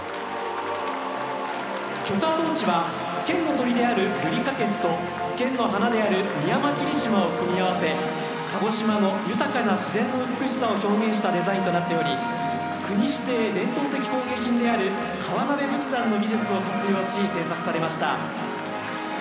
炬火トーチは県の鳥であるルリカケスと県の花であるミヤマキリシマを組み合わせ鹿児島の豊かな自然の美しさを表現したデザインとなっており国指定伝統的工芸品である川辺仏壇の技術を活用し制作されました。